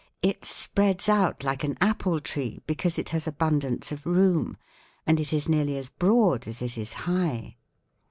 It spreads out like an apple tree, because it has abundance of room, and it is nearly as broad as it is high."